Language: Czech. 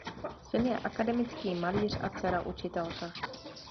Syn je akademický malíř a dcera učitelka.